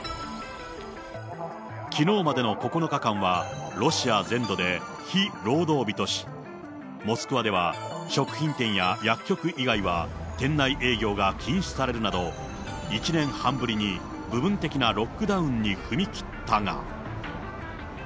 きのうまでの９日間はロシア全土で非労働日とし、モスクワでは、食品店や薬局以外は店内営業が禁止されるなど、１年半ぶりに部分的なロックダウンに踏み切ったが。